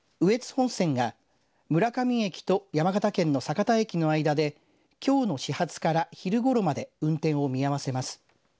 本線が村上駅と山形県の酒田駅の間できょうの始発から昼ごろまで運転を見合わせます。